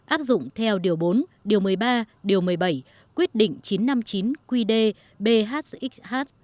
áp dụng theo điều bốn điều một mươi ba điều một mươi bảy quyết định chín trăm năm mươi chín qd bhxh